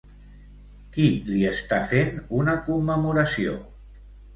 Qui li està fent una commemoració?